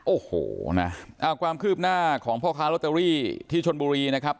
โอ้โหนะความคืบหน้าของพ่อค้าลอตเตอรี่ที่ชนบุรีนะครับ